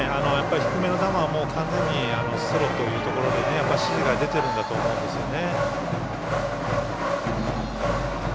低めの球は完全に捨てろということで指示が出ているんだと思うんですよね。